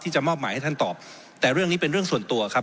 ผมจะขออนุญาตให้ท่านอาจารย์วิทยุซึ่งรู้เรื่องกฎหมายดีเป็นผู้ชี้แจงนะครับ